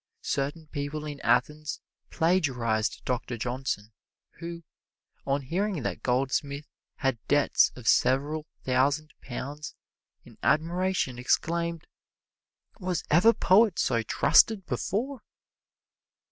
Certain people in Athens plagiarized Doctor Johnson who, on hearing that Goldsmith had debts of several thousand pounds, in admiration exclaimed, "Was ever poet so trusted before!"